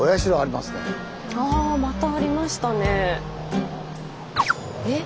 あまたありましたね。